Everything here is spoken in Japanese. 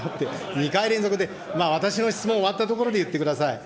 ２回連続で、まあ私の質問終わったところで言ってください。